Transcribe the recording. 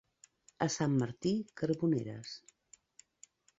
A Sant Martí, carboneres.